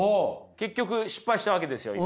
結局失敗したわけですよ今。